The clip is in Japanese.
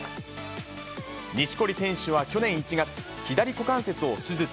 錦織選手は去年１月、左股関節を手術。